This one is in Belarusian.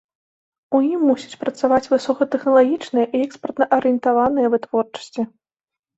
У ім мусяць працаваць высокатэхналагічныя і экспартна-арыентаваныя вытворчасці.